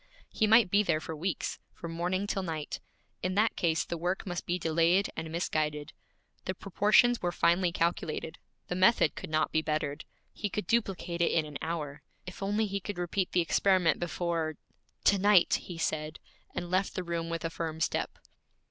He might be there for weeks, from morning till night. In that case the work must be delayed and misguided. The proportions were finely calculated; the method could not be bettered. He could duplicate it in an hour. If only he could repeat the experiment before 'To night!' he said, and left the room with a firm step.